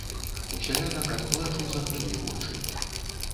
У сялянак ад плачу заплылі вочы.